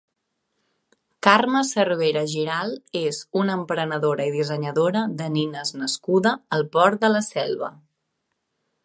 Carme Cervera Giralt és una emprenedora i dissenyadora de nines nascuda al Port de la Selva.